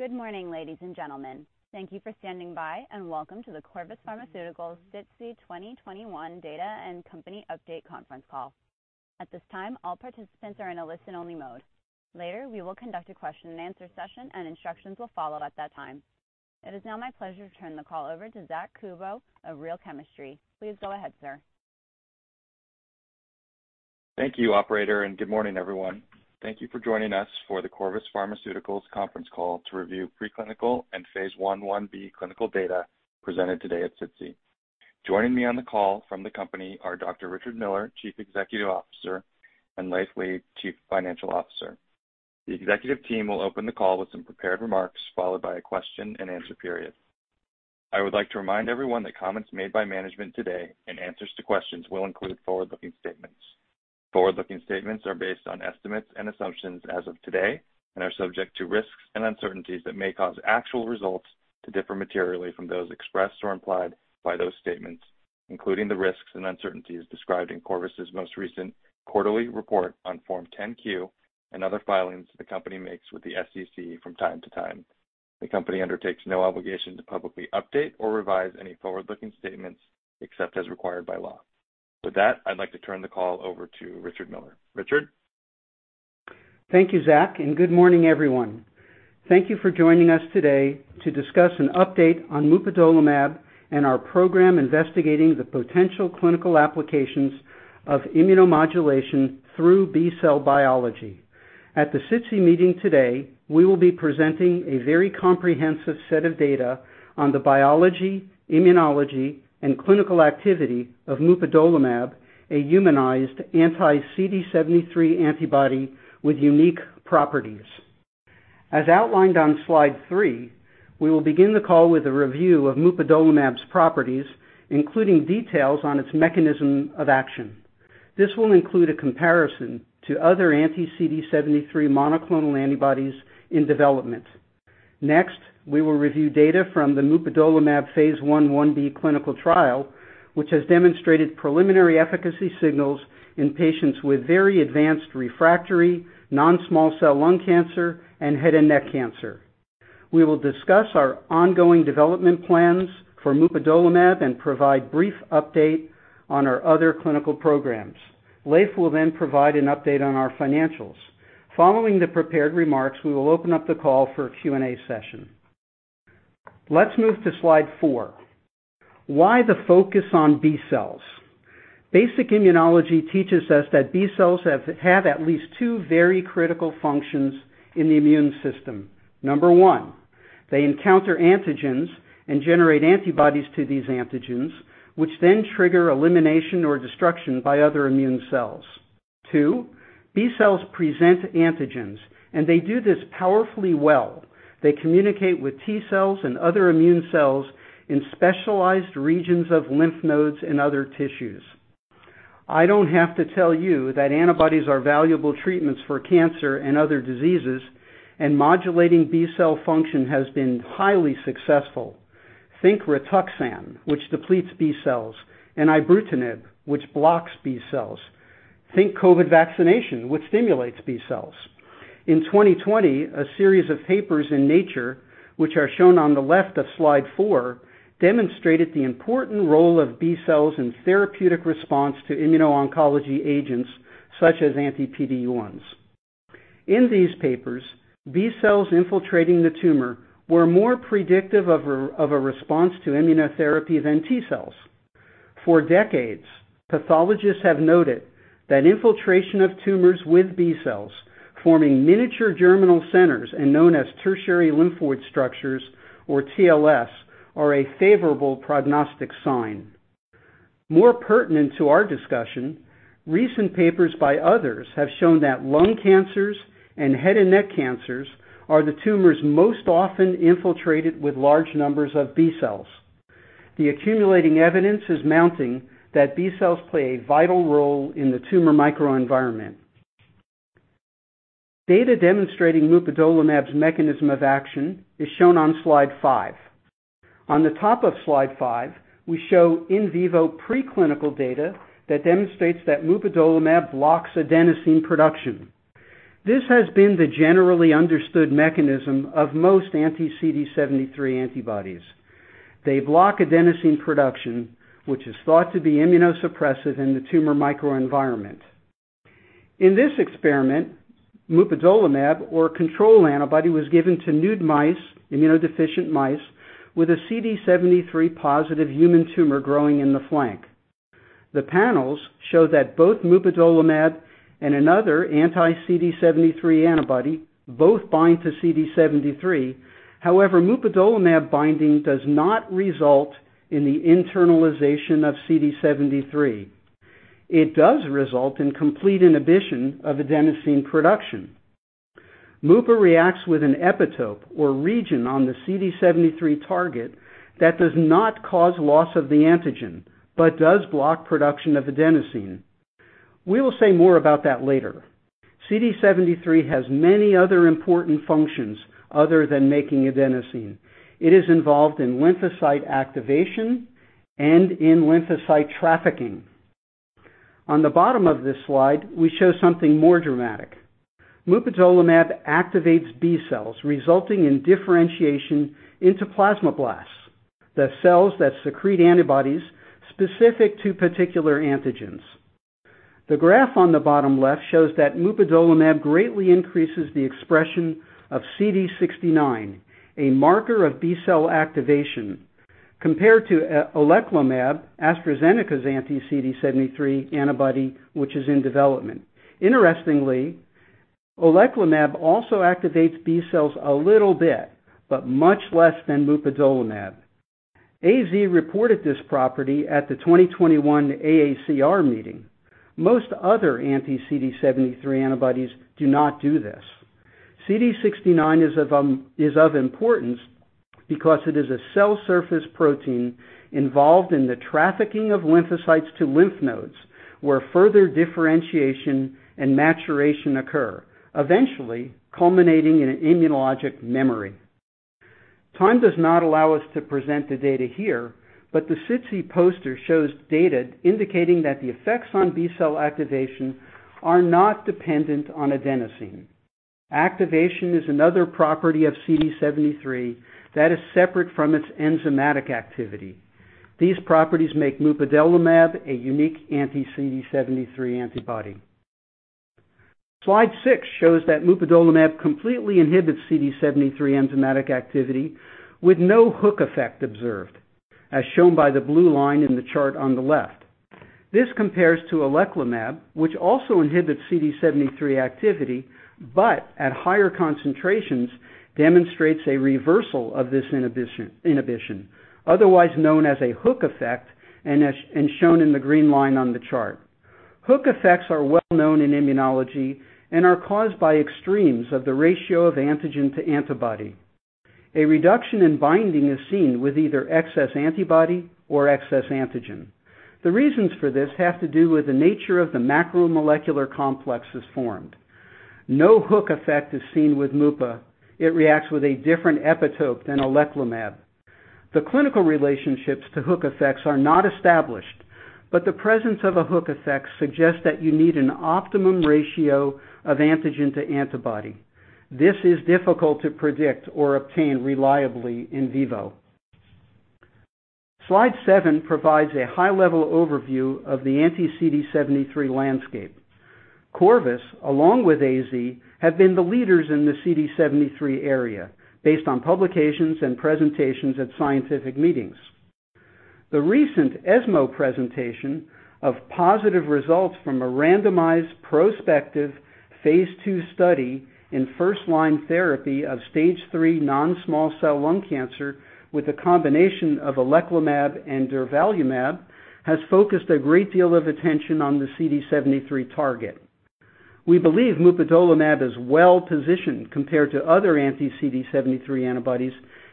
Good morning, ladies and gentlemen. Thank you for standing by, and welcome to the Corvus Pharmaceuticals SITC 2021 Data and Company Update conference call. At this time, all participants are in a listen-only mode. Later, we will conduct a question-and-answer session, and instructions will follow at that time. It is now my pleasure to turn the call over to Zack Kubow of Real Chemistry. Please go ahead, sir. Thank you, operator, and good morning, everyone. Thank you for joining us for the Corvus Pharmaceuticals conference call to review preclinical and phase I/I-B clinical data presented today at SITC. Joining me on the call from the company are Dr. Richard Miller, Chief Executive Officer, and Leiv Lea, Chief Financial Officer. The executive team will open the call with some prepared remarks, followed by a question-and-answer period. I would like to remind everyone that comments made by management today and answers to questions will include forward-looking statements. Forward-looking statements are based on estimates and assumptions as of today and are subject to risks and uncertainties that may cause actual results to differ materially from those expressed or implied by those statements, including the risks and uncertainties described in Corvus's most recent quarterly report on Form 10-Q and other filings the company makes with the SEC from time to time. The company undertakes no obligation to publicly update or revise any forward-looking statements except as required by law. With that, I'd like to turn the call over to Richard Miller. Richard? Thank you, Zack, and good morning, everyone. Thank you for joining us today to discuss an update on mupadolimab and our program investigating the potential clinical applications of immunomodulation through B-cell biology. At the SITC meeting today, we will be presenting a very comprehensive set of data on the biology, immunology, and clinical activity of mupadolimab, a humanized anti-CD73 antibody with unique properties. As outlined on slide three, we will begin the call with a review of mupadolimab's properties, including details on its mechanism of action. This will include a comparison to other anti-CD73 monoclonal antibodies in development. Next, we will review data from the mupadolimab phase I/I-B clinical trial, which has demonstrated preliminary efficacy signals in patients with very advanced refractory non-small cell lung cancer and head and neck cancer. We will discuss our ongoing development plans for mupadolimab and provide brief update on our other clinical programs. Leiv will then provide an update on our financials. Following the prepared remarks, we will open up the call for a Q&A session. Let's move to slide four. Why the focus on B cells? Basic immunology teaches us that B cells have at least two very critical functions in the immune system. Number one, they encounter antigens and generate antibodies to these antigens, which then trigger elimination or destruction by other immune cells. Two, B cells present antigens, and they do this powerfully well. They communicate with T cells and other immune cells in specialized regions of lymph nodes and other tissues. I don't have to tell you that antibodies are valuable treatments for cancer and other diseases, and modulating B-cell function has been highly successful. Think Rituxan, which depletes B cells, and ibrutinib, which blocks B cells. Think COVID vaccination, which stimulates B cells. In 2020, a series of papers in Nature, which are shown on the left of slide four, demonstrated the important role of B cells in therapeutic response to immuno-oncology agents such as anti-PD-1s. In these papers, B cells infiltrating the tumor were more predictive of a response to immunotherapy than T cells. For decades, pathologists have noted that infiltration of tumors with B cells forming miniature germinal centers and known as tertiary lymphoid structures, or TLS, are a favorable prognostic sign. More pertinent to our discussion, recent papers by others have shown that lung cancers and head and neck cancers are the tumors most often infiltrated with large numbers of B cells. The accumulating evidence is mounting that B cells play a vital role in the tumor microenvironment. Data demonstrating mupadolimab's mechanism of action is shown on slide five. On the top of slide five, we show in vivo preclinical data that demonstrates that mupadolimab blocks adenosine production. This has been the generally understood mechanism of most anti-CD73 antibodies. They block adenosine production, which is thought to be immunosuppressive in the tumor microenvironment. In this experiment, mupadolimab or control antibody was given to nude mice, immunodeficient mice with a CD73-positive human tumor growing in the flank. The panels show that both mupadolimab and another anti-CD73 antibody both bind to CD73. However, mupadolimab binding does not result in the internalization of CD73. It does result in complete inhibition of adenosine production. Mupa reacts with an epitope or region on the CD73 target that does not cause loss of the antigen but does block production of adenosine. We will say more about that later. CD73 has many other important functions other than making adenosine. It is involved in lymphocyte activation and in lymphocyte trafficking. On the bottom of this slide, we show something more dramatic. mupadolimab activates B cells, resulting in differentiation into plasmablasts, the cells that secrete antibodies specific to particular antigens. The graph on the bottom left shows that mupadolimab greatly increases the expression of CD69, a marker of B-cell activation, compared to oleclumab, AstraZeneca's anti-CD73 antibody, which is in development. Interestingly, oleclumab also activates B cells a little bit, but much less than mupadolimab. AZ reported this property at the 2021 AACR meeting. Most other anti-CD73 antibodies do not do this. CD69 is of importance because it is a cell surface protein involved in the trafficking of lymphocytes to lymph nodes, where further differentiation and maturation occur, eventually culminating in immunologic memory. Time does not allow us to present the data here, but the SITC poster shows data indicating that the effects on B-cell activation are not dependent on adenosine. Activation is another property of CD73 that is separate from its enzymatic activity. These properties make mupadolimab a unique anti-CD73 antibody. Slide six shows that mupadolimab completely inhibits CD73 enzymatic activity with no hook effect observed, as shown by the blue line in the chart on the left. This compares to oleclumab, which also inhibits CD73 activity, but at higher concentrations demonstrates a reversal of this inhibition, otherwise known as a hook effect, and as. Shown in the green line on the chart. Hook effects are well known in immunology and are caused by extremes of the ratio of antigen to antibody. A reduction in binding is seen with either excess antibody or excess antigen. The reasons for this have to do with the nature of the macromolecular complexes formed. No hook effect is seen with mupadolimab. It reacts with a different epitope than avelumab. The clinical relationships to hook effects are not established, but the presence of a hook effect suggests that you need an optimum ratio of antigen to antibody. This is difficult to predict or obtain reliably in vivo. Slide seven provides a high-level overview of the anti-CD73 landscape. Corvus, along with AZ, have been the leaders in the CD73 area based on publications and presentations at scientific meetings. The recent ESMO presentation of positive results from a randomized prospective phase II study in first-line therapy of stage III non-small cell lung cancer with a combination of oleclumab and durvalumab has focused a great deal of attention on the CD73 target. We believe mupadolimab is well-positioned compared to other anti-CD73 antibodies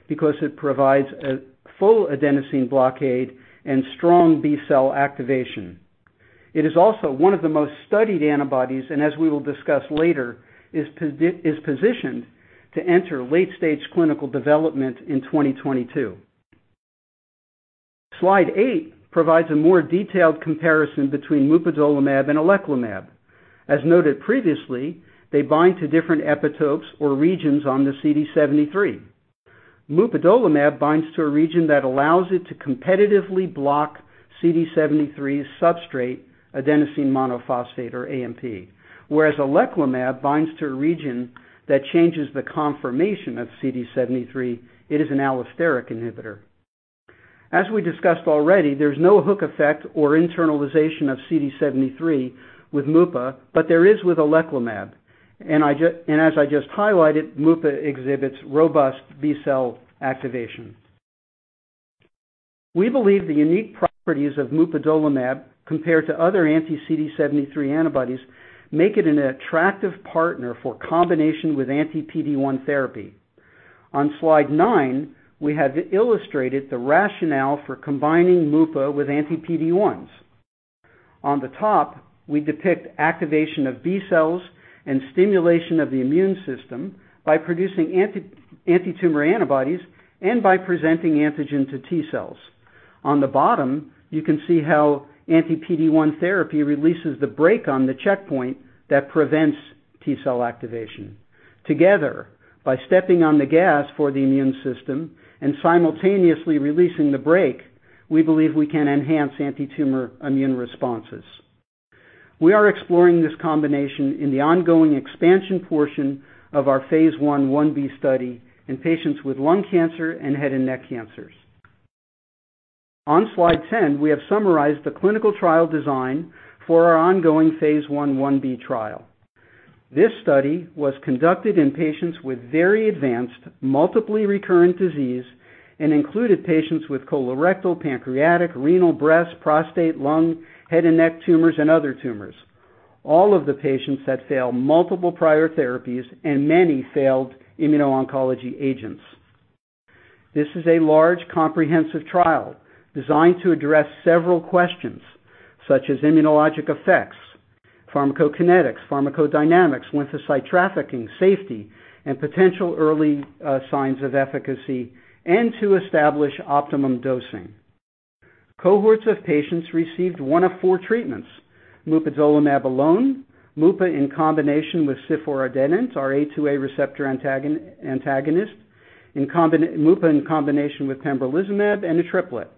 because it provides a full adenosine blockade and strong B-cell activation. It is also one of the most studied antibodies and, as we will discuss later, is positioned to enter late-stage clinical development in 2022. Slide eight provides a more detailed comparison between mupadolimab and oleclumab. As noted previously, they bind to different epitopes or regions on the CD73. Mupadolimab binds to a region that allows it to competitively block CD73's substrate adenosine monophosphate or AMP, whereas oleclumab binds to a region that changes the conformation of CD73. It is an allosteric inhibitor. As we discussed already, there's no hook effect or internalization of CD73 with mupa, but there is with oleclumab. As I just highlighted, mupa exhibits robust B-cell activation. We believe the unique properties of mupadolimab compared to other anti-CD73 antibodies make it an attractive partner for combination with anti-PD-1 therapy. On slide nine, we have illustrated the rationale for combining mupa with anti-PD-1s. On the top, we depict activation of B cells and stimulation of the immune system by producing anti-tumor antibodies and by presenting antigen to T cells. On the bottom, you can see how anti-PD-1 therapy releases the brake on the checkpoint that prevents T cell activation. Together, by stepping on the gas for the immune system and simultaneously releasing the brake, we believe we can enhance anti-tumor immune responses. We are exploring this combination in the ongoing expansion portion of our phase I/IB study in patients with lung cancer and head and neck cancers. On slide 10, we have summarized the clinical trial design for our ongoing phase I/IB trial. This study was conducted in patients with very advanced, multiply recurrent disease and included patients with colorectal, pancreatic, renal, breast, prostate, lung, head and neck tumors, and other tumors. All of the patients had failed multiple prior therapies and many failed immuno-oncology agents. This is a large, comprehensive trial designed to address several questions, such as immunologic effects, pharmacokinetics, pharmacodynamics, lymphocyte trafficking, safety, and potential early signs of efficacy, and to establish optimum dosing. Cohorts of patients received one of four treatments, mupadolimab alone, mupa in combination with ciforadenant, our A2A receptor antagonist, mupa in combination with pembrolizumab, and a triplet.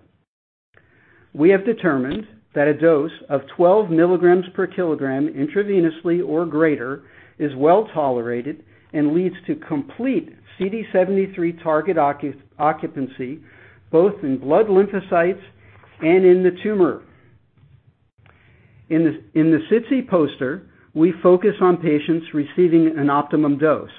We have determined that a dose of 12mg/kg intravenously or greater is well-tolerated and leads to complete CD73 target occupancy both in blood lymphocytes and in the tumor. In the SITC poster, we focus on patients receiving an optimum dose,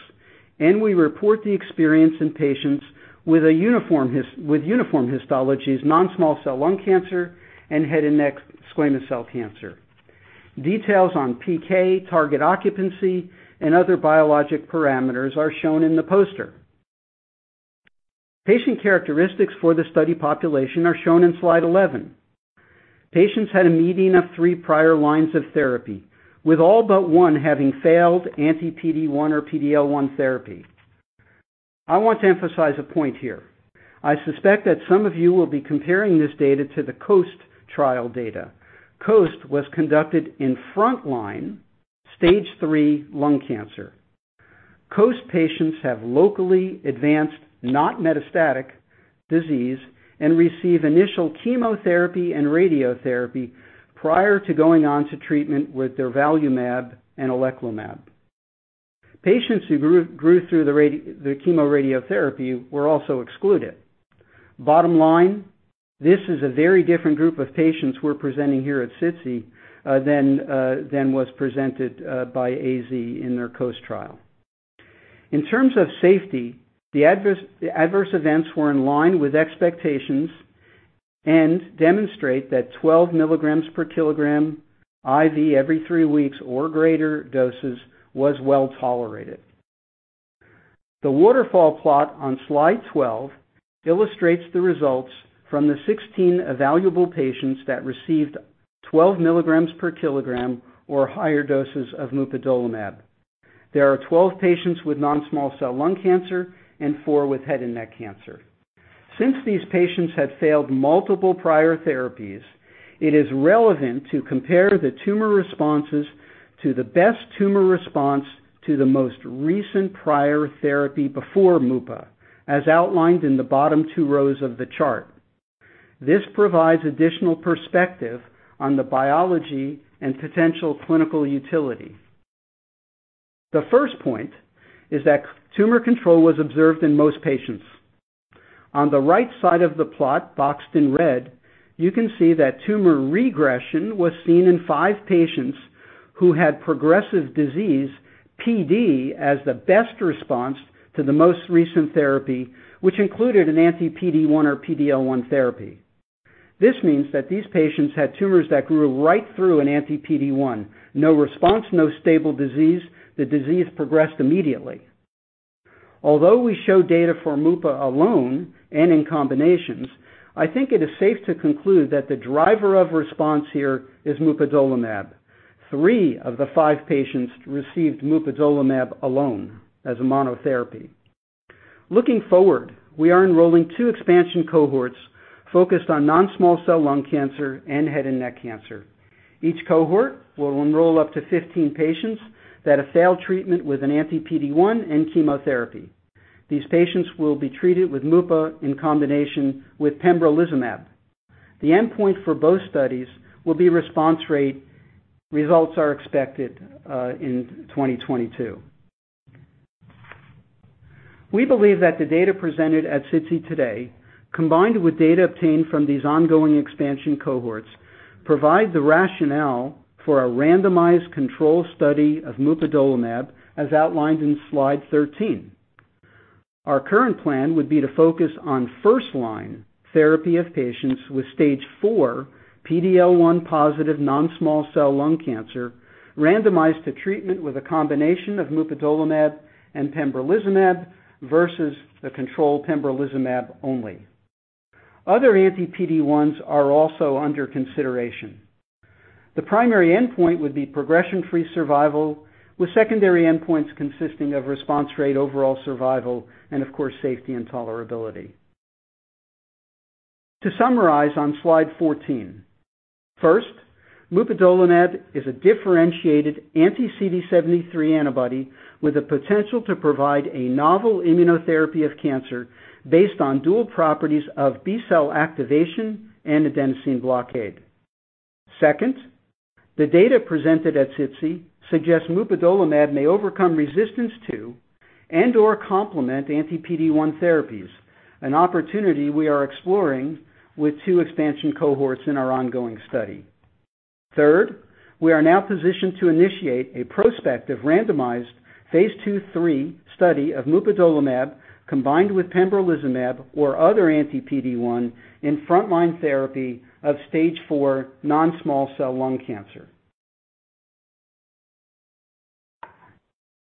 and we report the experience in patients with uniform histologies, non-small cell lung cancer and head and neck squamous cell cancer. Details on PK, target occupancy, and other biologic parameters are shown in the poster. Patient characteristics for the study population are shown in slide 11. Patients had a median of three prior lines of therapy, with all but one having failed anti-PD-1 or PD-L1 therapy. I want to emphasize a point here. I suspect that some of you will be comparing this data to the COAST trial data. COAST was conducted in front-line stage 3 lung cancer. COAST patients have locally advanced, not metastatic disease and receive initial chemotherapy and radiotherapy prior to going on to treatment with durvalumab and avelumab. Patients who grew through the chemoradiotherapy were also excluded. Bottom line, this is a very different group of patients we're presenting here at SITC than was presented by AZ in their COAST trial. In terms of safety, the adverse events were in line with expectations and demonstrate that 12mg/kg IV every three weeks or greater doses was well-tolerated. The waterfall plot on slide 12 illustrates the results from the 16 evaluable patients that received 12mg/kg or higher doses of mupadolimab. There are 12 patients with non-small cell lung cancer and four with head and neck cancer. Since these patients had failed multiple prior therapies, it is relevant to compare the tumor responses to the best tumor response to the most recent prior therapy before mupadolimab, as outlined in the bottom two rows of the chart. This provides additional perspective on the biology and potential clinical utility. The first point is that tumor control was observed in most patients. On the right side of the plot, boxed in red, you can see that tumor regression was seen in five patients who had progressive disease PD as the best response to the most recent therapy, which included an anti-PD-1 or PD-L1 therapy. This means that these patients had tumors that grew right through an anti-PD-1. No response, no stable disease. The disease progressed immediately. Although we show data for mupadolimab alone and in combinations, I think it is safe to conclude that the driver of response here is mupadolimab. Three of the five patients received mupadolimab alone as a monotherapy. Looking forward, we are enrolling two expansion cohorts focused on non-small cell lung cancer and head and neck cancer. Each cohort will enroll up to 15 patients that have failed treatment with an anti-PD-1 and chemotherapy. These patients will be treated with mupadolimab in combination with pembrolizumab. The endpoint for both studies will be response rate. Results are expected in 2022. We believe that the data presented at SITC today, combined with data obtained from these ongoing expansion cohorts, provide the rationale for a randomized control study of mupadolimab, as outlined in slide 13. Our current plan would be to focus on first-line therapy of patients with stage 4 PD-L1-positive non-small cell lung cancer randomized to treatment with a combination of mupadolimab and pembrolizumab versus the control pembrolizumab only. Other anti-PD-1s are also under consideration. The primary endpoint would be progression-free survival, with secondary endpoints consisting of response rate, overall survival, and of course, safety and tolerability. To summarize on slide 14, first, mupadolimab is a differentiated anti-CD73 antibody with the potential to provide a novel immunotherapy of cancer based on dual properties of B-cell activation and adenosine blockade. Second, the data presented at SITC suggests mupadolimab may overcome resistance to and/or complement anti-PD-1 therapies, an opportunity we are exploring with two expansion cohorts in our ongoing study. Third, we are now positioned to initiate a prospective randomized phase II/III study of mupadolimab combined with pembrolizumab or other anti-PD-1 in frontline therapy of stage 4 non-small cell lung cancer.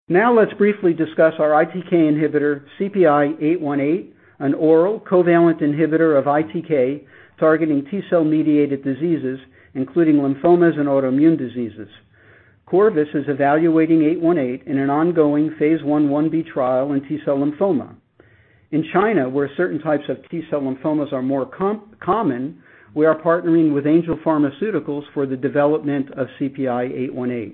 Now let's briefly discuss our ITK inhibitor, CPI-818, an oral covalent inhibitor of ITK targeting T-cell mediated diseases, including lymphomas and autoimmune diseases. Corvus is evaluating CPI-818 in an ongoing phase I/IB trial in T-cell lymphoma. In China, where certain types of T-cell lymphomas are more common, we are partnering with Angel Pharmaceuticals for the development of CPI-818.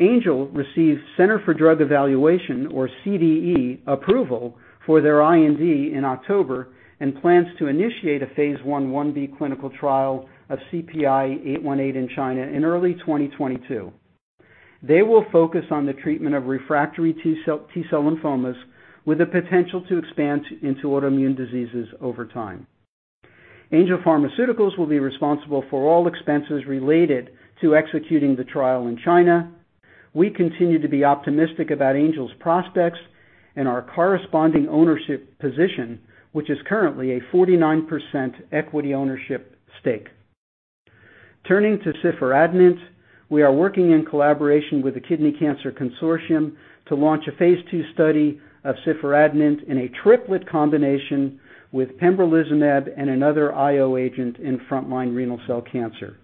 Angel received Center for Drug Evaluation or CDE approval for their IND in October and plans to initiate a phase I/IB clinical trial of CPI-818 in China in early 2022. They will focus on the treatment of refractory T-cell lymphomas with the potential to expand into autoimmune diseases over time. Angel Pharmaceuticals will be responsible for all expenses related to executing the trial in China. We continue to be optimistic about Angel's prospects and our corresponding ownership position, which is currently a 49% equity ownership stake. Turning to soquelitinib, we are working in collaboration with the Kidney Cancer Research Consortium to launch a phase II study of soquelitinib in a triplet combination with pembrolizumab and another IO agent in front line renal cell cancer.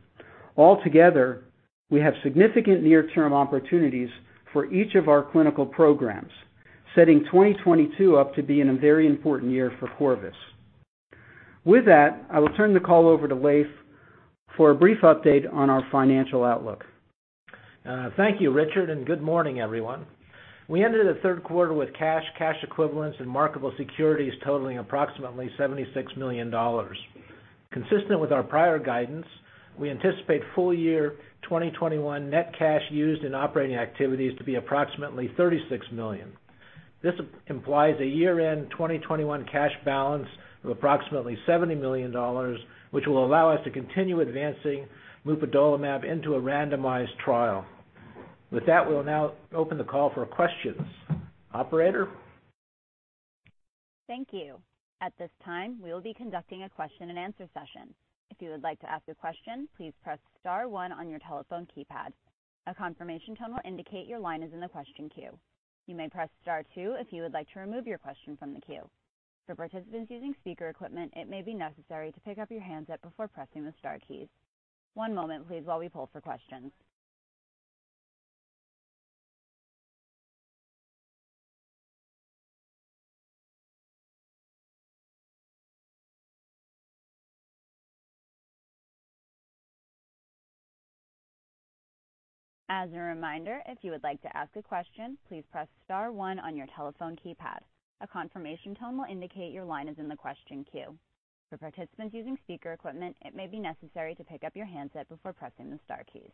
Altogether, we have significant near-term opportunities for each of our clinical programs, setting 2022 up to be in a very important year for Corvus. With that, I will turn the call over to Leiv for a brief update on our financial outlook. Thank you, Richard, and good morning, everyone. We ended the third quarter with cash equivalents and marketable securities totaling approximately $76 million. Consistent with our prior guidance, we anticipate full year 2021 net cash used in operating activities to be approximately $36 million. This implies a year-end 2021 cash balance of approximately $70 million, which will allow us to continue advancing mupadolimab into a randomized trial. With that, we'll now open the call for questions. Operator? Thank you. At this time, we will be conducting a question and answer session. If you would like to ask a question, please press star one on your telephone keypad. A confirmation tone will indicate your line is in the question queue. You may press star two if you would like to remove your question from the queue. For participants using speaker equipment, it may be necessary to pick up your handset before pressing the star keys. One moment, please, while we poll for questions. As a reminder, if you would like to ask a question, please press star one on your telephone keypad. A confirmation tone will indicate your line is in the question queue. For participants using speaker equipment, it may be necessary to pick up your handset before pressing the star keys.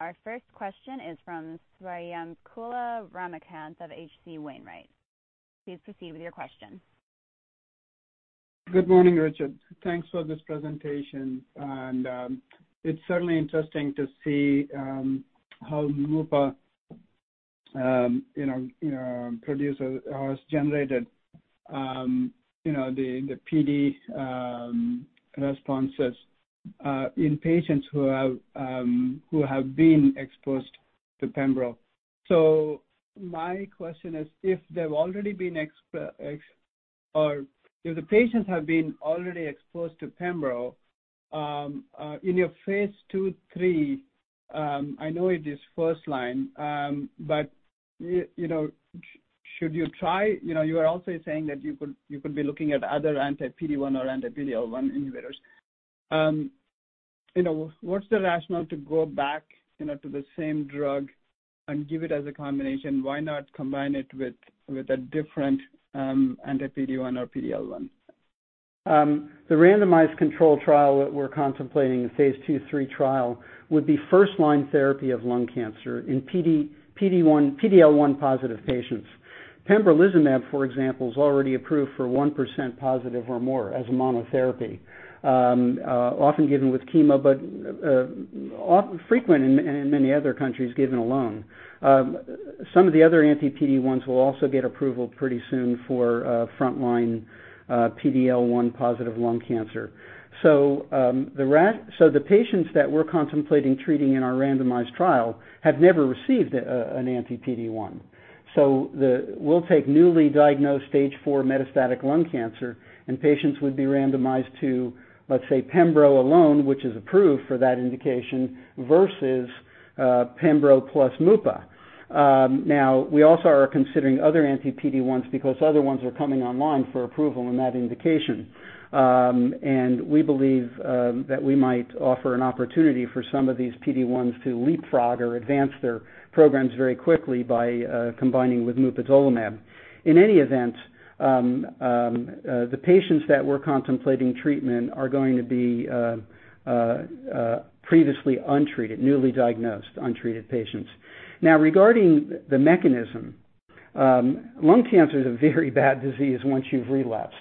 Our first question is from Swayampakula Ramakanth of H.C. Wainwright. Please proceed with your question. Good morning, Richard. Thanks for this presentation. It's certainly interesting to see how mupadolimab has generated the PR responses in patients who have been exposed to Pembro. My question is, if the patients have already been exposed to Pembro in your phase II/III, I know it is first line, but you know, should you try? You know, you are also saying that you could be looking at other anti-PD-1 or anti-PD-L1 inhibitors. You know, what's the rationale to go back to the same drug and give it as a combination? Why not combine it with a different anti-PD-1 or PD-L1? The randomized control trial that we're contemplating, the phase II/III trial, would be first-line therapy of lung cancer in PD-L1-positive patients. Pembrolizumab, for example, is already approved for 1% positive or more as a monotherapy, often given with chemo, but often in many other countries given alone. Some of the other anti-PD-1s will also get approval pretty soon for frontline PD-L1-positive lung cancer. The patients that we're contemplating treating in our randomized trial have never received an anti-PD-1. We'll take newly diagnosed stage IV metastatic lung cancer, and patients would be randomized to, let's say, Pembro alone, which is approved for that indication, versus Pembro plus mupadolimab. Now, we also are considering other anti-PD-1s because other ones are coming online for approval in that indication. We believe that we might offer an opportunity for some of these PD-1s to leapfrog or advance their programs very quickly by combining with mupadolimab. In any event, the patients that we're contemplating treatment are going to be previously untreated, newly diagnosed, untreated patients. Now, regarding the mechanism, lung cancer is a very bad disease once you've relapsed.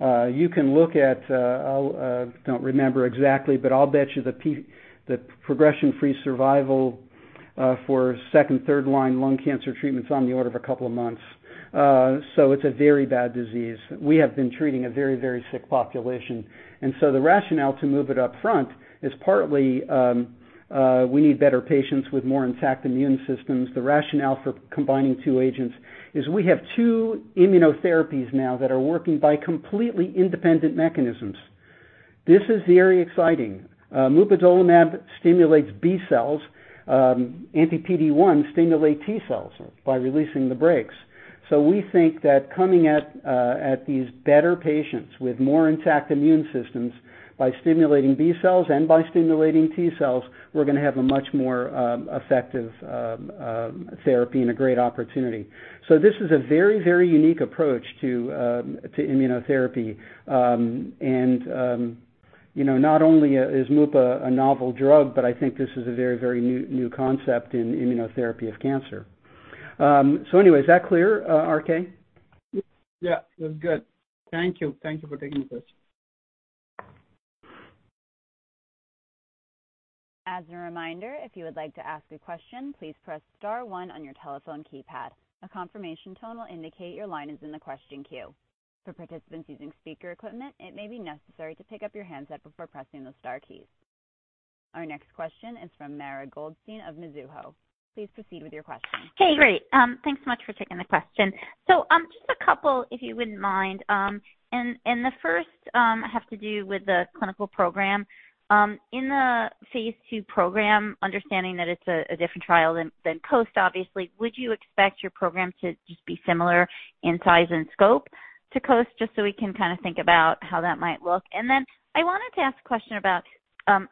You can look at, I don't remember exactly, but I'll bet you the progression-free survival for second, third line lung cancer treatments on the order of a couple of months. It's a very bad disease. We have been treating a very, very sick population. The rationale to move it up front is partly we need better patients with more intact immune systems. The rationale for combining two agents is we have two immunotherapies now that are working by completely independent mechanisms. This is very exciting. Mupadolimab stimulates B cells. Anti-PD-1 stimulate T cells by releasing the brakes. We think that coming at these better patients with more intact immune systems by stimulating B cells and by stimulating T cells, we're gonna have a much more effective therapy and a great opportunity. This is a very, very unique approach to immunotherapy. You know, not only is Mupa a novel drug, but I think this is a very new concept in immunotherapy of cancer. Anyway, is that clear, RK? Yeah, it was good. Thank you. Thank you for taking the question. As a reminder, if you would like to ask a question, please press star one on your telephone keypad. A confirmation tone will indicate your line is in the question queue. For participants using speaker equipment, it may be necessary to pick up your handset before pressing the star keys. Our next question is from Mara Goldstein of Mizuho. Please proceed with your question. Hey, great. Thanks so much for taking the question. Just a couple, if you wouldn't mind. The first has to do with the clinical program. In the phase II program, understanding that it's a different trial than COAST, obviously, would you expect your program to just be similar in size and scope to COAST, just so we can kinda think about how that might look. I wanted to ask a question about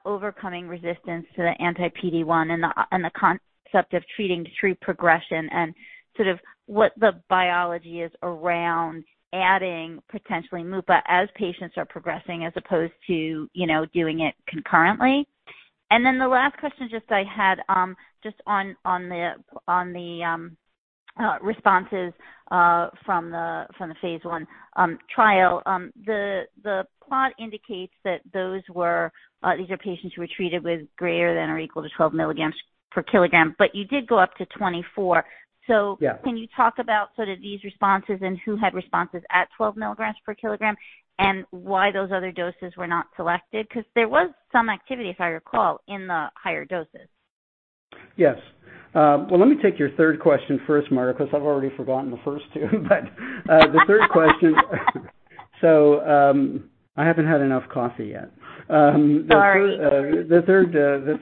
overcoming resistance to the anti-PD-1 and the concept of treating to true progression and sort of what the biology is around adding potentially mupadolimab as patients are progressing as opposed to, you know, doing it concurrently. The last question I just had, just on the responses from the phase I trial. The plot indicates that these are patients who were treated with greater than or equal to 12mg/kg, but you did go up to 24. Yeah. Can you talk about sort of these responses and who had responses at 12mg/kg and why those other doses were not selected? 'Cause there was some activity, if I recall, in the higher doses. Yes. Well, let me take your third question first, Mara, 'cause I've already forgotten the first two. The third question. I haven't had enough coffee yet. Sorry. The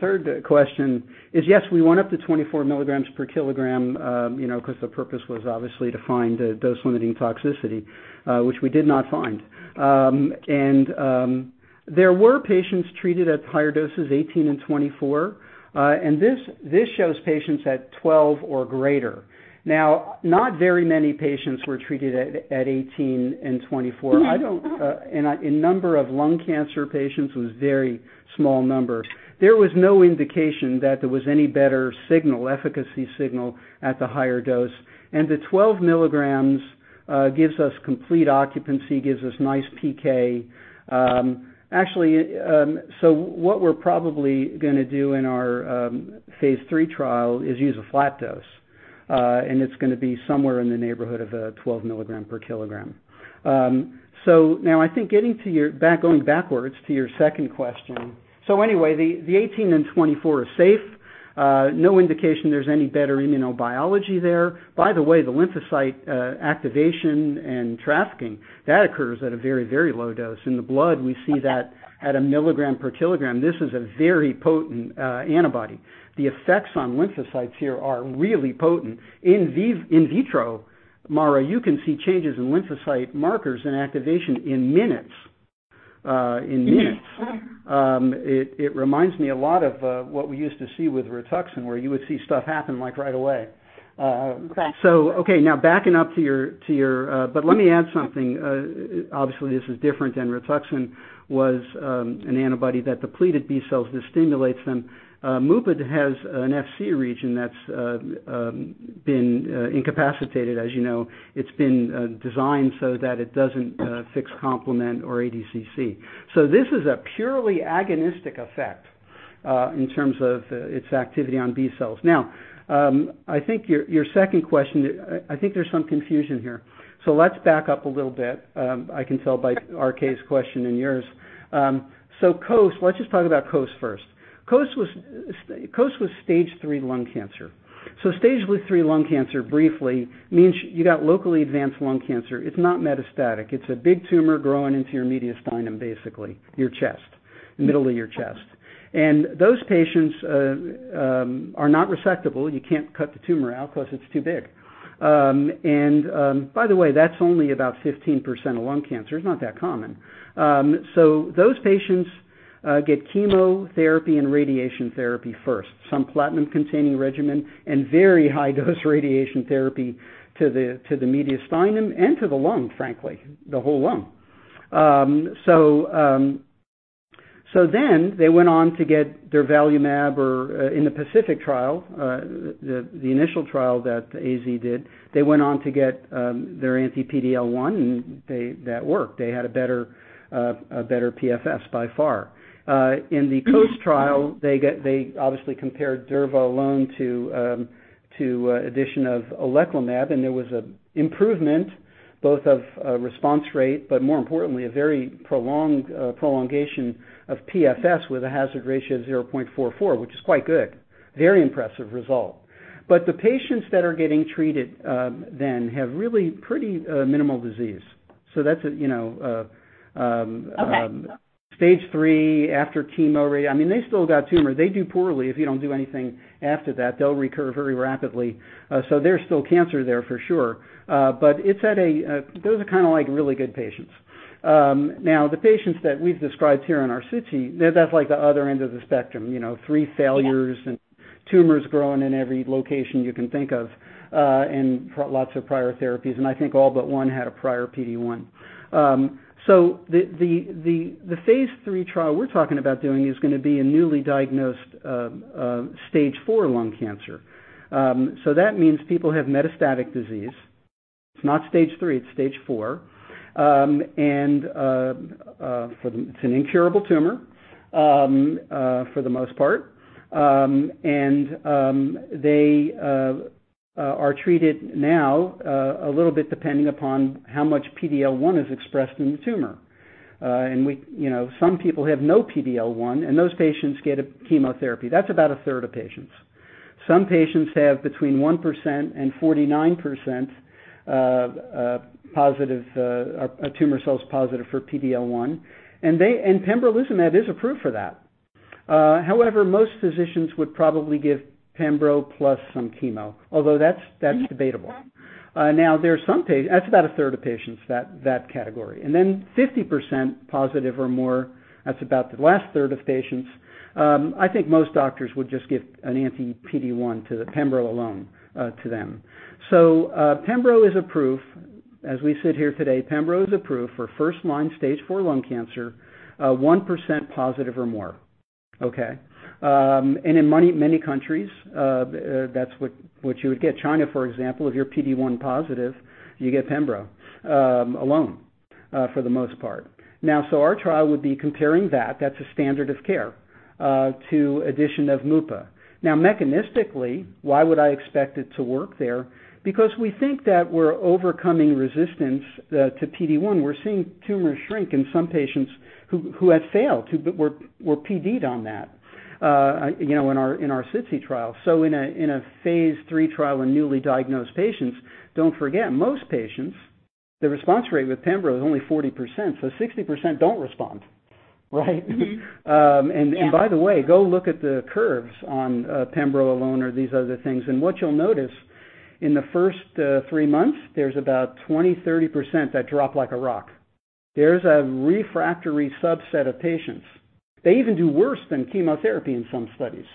third question is yes, we went up to 24mg/kg, you know, 'cause the purpose was obviously to find a dose-limiting toxicity, which we did not find. There were patients treated at higher doses, 18 and 24, and this shows patients at 12 or greater. Now, not very many patients were treated at 18 and 24. Mm-hmm. A number of lung cancer patients was very small numbers. There was no indication that there was any better signal, efficacy signal at the higher dose. The 12 milligrams gives us complete occupancy, gives us nice PK. Actually, what we're probably gonna do in our phase III trial is use a flat dose, and it's gonna be somewhere in the neighborhood of 12mg/kg. Now I think, going backwards to your second question. Anyway, the 18 and 24 is safe. No indication there's any better immunobiology there. By the way, the lymphocyte activation and trafficking that occurs at a very, very low dose. In the blood. Okay. We see that at a mg/kg. This is a very potent antibody. The effects on lymphocytes here are really potent. In vitro, Mara, you can see changes in lymphocyte markers and activation in minutes, in minutes. Mm-hmm. It reminds me a lot of what we used to see with Rituxan, where you would see stuff happen, like, right away. Okay. Okay, now backing up to your. Let me add something. Obviously, this is different than Rituxan was, an antibody that depleted B cells. This stimulates them. Mupadolimab has an Fc region that's been incapacitated, as you know. It's been designed so that it doesn't fix complement or ADCC. This is a purely agonistic effect in terms of its activity on B cells. Now, I think your second question, I think there's some confusion here. Let's back up a little bit. I can tell by RK's question and yours. COAST, let's just talk about COAST first. COAST was stage three lung cancer. Stage three lung cancer briefly means you got locally advanced lung cancer. It's not metastatic. It's a big tumor growing into your mediastinum, basically, your chest. Mm-hmm. Middle of your chest. Those patients are not resectable. You can't cut the tumor out 'cause it's too big. By the way, that's only about 15% of lung cancer. It's not that common. Those patients get chemotherapy and radiation therapy first. Some platinum-containing regimen and very high dose radiation therapy to the mediastinum and to the lung, frankly, the whole lung. Then they went on to get durvalumab or, in the PACIFIC trial, the initial trial that AZ did, they went on to get their anti-PD-L1, and that worked. They had a better PFS by far. In the COAST trial, they obviously compared durva alone to addition of oleclumab, and there was an improvement both of response rate, but more importantly, a very prolonged prolongation of PFS with a hazard ratio of 0.44, which is quite good, very impressive result. The patients that are getting treated then have really pretty minimal disease. That's a, you know, Okay. Stage III after chemoradiation. I mean, they still got tumor. They do poorly. If you don't do anything after that, they'll recur very rapidly. There's still cancer there for sure, but it's at a. Those are kinda like really good patients. Now the patients that we've described here in our SITC, that's like the other end of the spectrum. You know, three failures. Yeah. Tumors growing in every location you can think of, and lots of prior therapies. I think all but one had a prior PD-1. The phase III trial we're talking about doing is gonna be a newly diagnosed stage four lung cancer. That means people have metastatic disease. It's not stage three, it's stage four. It's an incurable tumor for the most part. They are treated now a little bit depending upon how much PD-L1 is expressed in the tumor. You know, some people have no PD-L1, and those patients get a chemotherapy. That's about a third of patients. Some patients have between 1% and 49% of positive or tumor cells positive for PD-L1, and pembrolizumab is approved for that. However, most physicians would probably give pembro plus some chemo, although that's debatable. That's about a third of patients that category, and then 50% positive or more, that's about the last third of patients. I think most doctors would just give an anti-PD-1 to the pembro alone, to them. Pembro is approved. As we sit here today, pembro is approved for first line stage four lung cancer, 1% positive or more. Okay? In many countries, that's what you would get. China, for example, if you're PD-1 positive, you get pembro alone, for the most part. Now, our trial would be comparing that's a standard of care, to addition of mupadolimab. Now, mechanistically, why would I expect it to work there? Because we think that we're overcoming resistance to PD-1. We're seeing tumors shrink in some patients who have failed, who were PD'd on that, you know, in our SITC trial. In a phase III trial in newly diagnosed patients, don't forget, most patients, the response rate with pembro is only 40%, so 60% don't respond, right? Mm-hmm. Yeah. By the way, go look at the curves on pembro alone or these other things. What you'll notice in the first 3 months, there's about 20%-30% that drop like a rock. There's a refractory subset of patients. They even do worse than chemotherapy in some studies,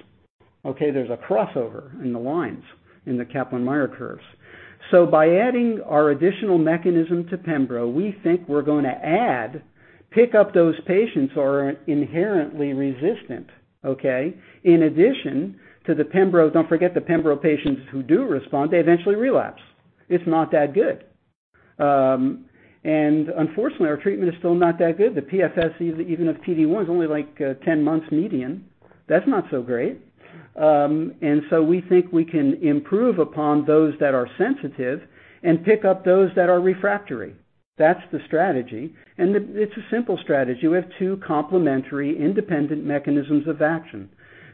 okay? There's a crossover in the lines in the Kaplan-Meier curves. By adding our additional mechanism to pembro, we think we're gonna add, pick up those patients who are inherently resistant, okay? In addition to the pembro. Don't forget the pembro patients who do respond, they eventually relapse. It's not that good. Unfortunately, our treatment is still not that good. The PFS even of PD-1 is only like 10 months median. That's not so great. We think we can improve upon those that are sensitive and pick up those that are refractory. That's the strategy, and it's a simple strategy. We have two complementary independent mechanisms of action.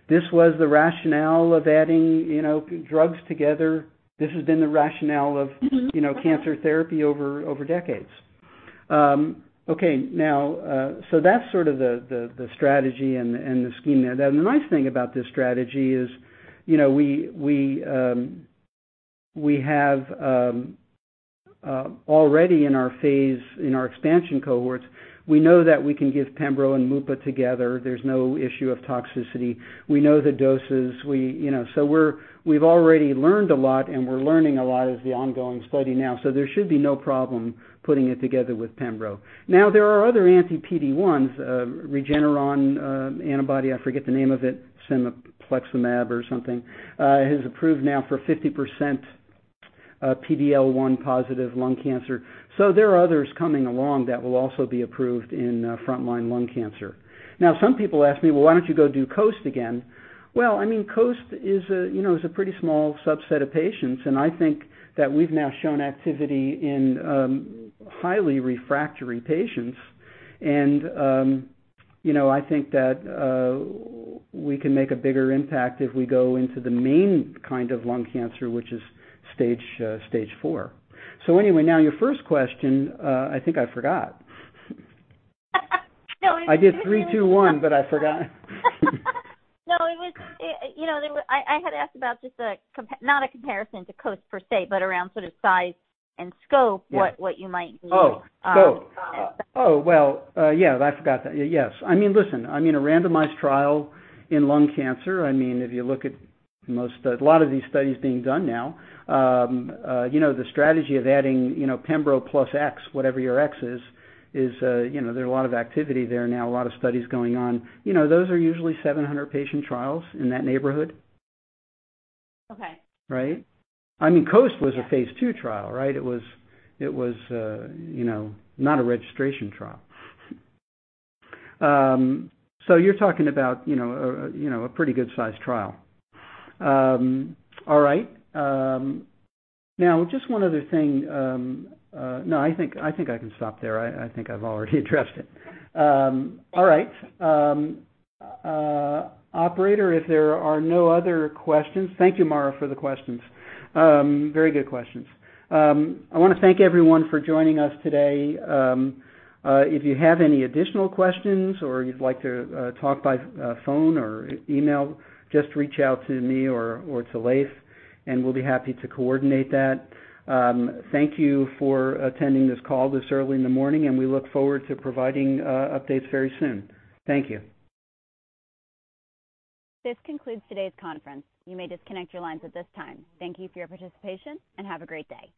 This was the rationale of adding, you know, drugs together. This has been the rationale of Mm-hmm. You know, cancer therapy over decades. Okay, now, that's sort of the strategy and the scheme there. The nice thing about this strategy is, you know, we have already in our phase, in our expansion cohorts, we know that we can give pembro and mupa together. There's no issue of toxicity. We know the doses. We've already learned a lot, and we're learning a lot as the ongoing study now. There should be no problem putting it together with pembro. Now, there are other anti-PD-1s. Regeneron antibody, I forget the name of it, cemiplimab or something, is approved now for 50% PD-L1 positive lung cancer. There are others coming along that will also be approved in frontline lung cancer. Now, some people ask me, "Well, why don't you go do COAST again?" Well, I mean, COAST, you know, is a pretty small subset of patients, and I think that we've now shown activity in highly refractory patients. You know, I think that we can make a bigger impact if we go into the main kind of lung cancer, which is stage four. Anyway, now your first question, I think I forgot. No, it was- I did three, two, one but I forgot. No, you know, I had asked about not a comparison to COAST per se, but around sort of size and scope. Yeah. What you might need. Oh. Um. I forgot that. Yes. I mean, listen, I mean a randomized trial in lung cancer. I mean, if you look at most, a lot of these studies being done now, you know, the strategy of adding, you know, pembro plus X, whatever your X is, you know, there are a lot of activity there now, a lot of studies going on. You know, those are usually 700 patient trials in that neighborhood. Okay. Right? I mean, COAST was a phase II trial, right? It was, you know, not a registration trial. So you're talking about, you know, a pretty good sized trial. All right. Now just one other thing. No, I think I can stop there. I think I've already addressed it. All right. Operator, if there are no other questions. Thank you, Mara, for the questions. Very good questions. I wanna thank everyone for joining us today. If you have any additional questions or you'd like to talk by phone or email, just reach out to me or to Leiv, and we'll be happy to coordinate that. Thank you for attending this call this early in the morning, and we look forward to providing updates very soon. Thank you. This concludes today's conference. You may disconnect your lines at this time. Thank you for your participation, and have a great day.